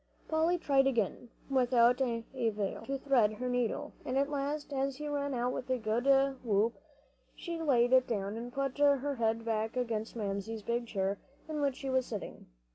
Polly tried again, without avail, to thread her needle, and at last, as he ran out with a good whoop, she laid it down and put her head back against Mamsie's big chair in which she was sitting.